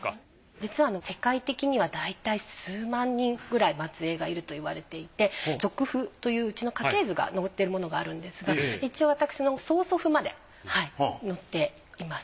実は世界的にはだいたい数万人くらい末えいがいると言われていて族譜といううちの家系図が載ってるものがあるんですが一応私の曾祖父まで載っています。